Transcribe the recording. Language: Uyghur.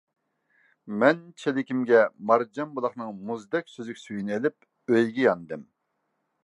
مەن چېلىكىمگە مارجانبۇلاقنىڭ مۇزدەك سۈزۈك سۈيىنى ئېلىپ ئۆيگە ياندىم.